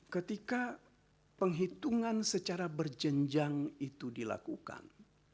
ketika penghitungan secara berjenjang itu dilakukan